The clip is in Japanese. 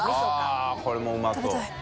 うわぁこれもうまそう。